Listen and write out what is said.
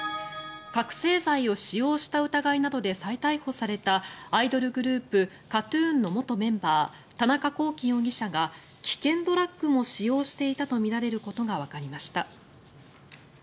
覚醒剤を使用した疑いなどで再逮捕されたアイドルグループＫＡＴ−ＴＵＮの元メンバー田中聖容疑者が危険ドラッグも使用していたとみられることがわかりました。